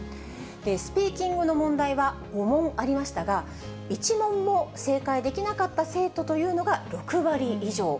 スピーキングの問題は５問ありましたが、１問も正解できなかった生徒というのが６割以上。